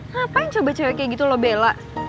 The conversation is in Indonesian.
ngapain coba cewek kayak gitu lo bela